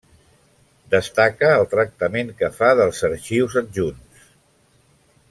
Destaca el tractament que fa dels arxius adjunts.